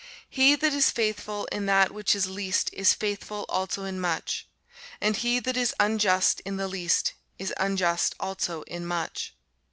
He that is faithful in that which is least is faithful also in much: and he that is unjust in the least is unjust also in much.